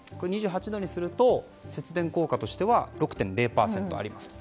２８度にすると節電効果としては６．０％ありますと。